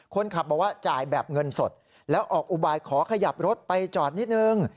คนขับบอกว่าจ่ายแบบเงินสดแล้วออกอุบายขอขยับรถไปจอดนิดนึง